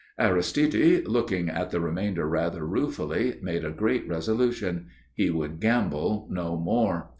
Aristide looking at the remainder rather ruefully made a great resolution. He would gamble no more.